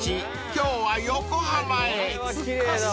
今日は横浜へ］